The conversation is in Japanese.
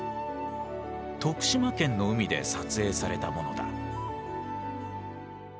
徳島県の海で撮影されたものだ。